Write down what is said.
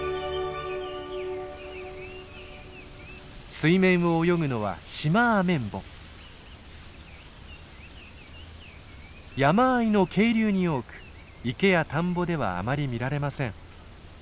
水面を泳ぐのは山あいの渓流に多く池や田んぼではあまり見られません。